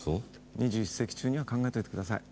２１世紀中には考えといてください。